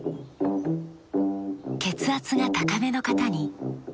血圧が高めの方に。